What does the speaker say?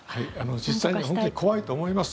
実際に本当に怖いと思います。